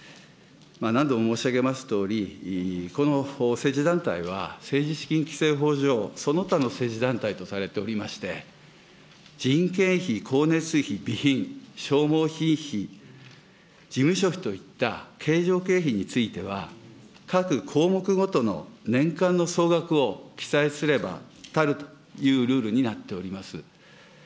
何度も申し上げますとおり、この政治団体は、政治資金規正法上、その他の政治団体とされておりまして、人件費、光熱費、備品、消耗品費、事務所費といった経常経費については、各項目ごとの年間の総額を記載すれば足るというルールになっております。